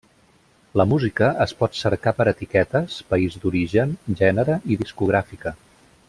La música es pot cercar per etiquetes, país d'origen, gènere i discogràfica.